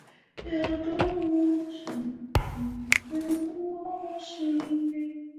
就开始等放假啦